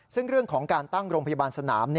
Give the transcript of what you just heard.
ซึ่งเรื่องของการตั้งโรงพยาบาลสนาม